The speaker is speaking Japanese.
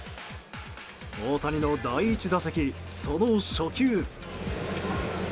大谷の第１打席、その初球。